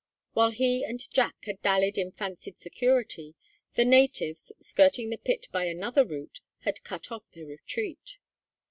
While he and Jack had dallied in fancied security, the natives, skirting the pit by another route, had cut off their retreat.